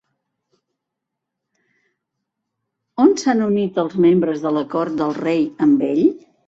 On s'han unit els membres de la cort del rei amb ell?